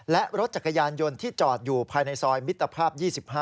และรถจักรยานยนต์ที่จอดอยู่ภายในซอยมิตรภาพ๒๕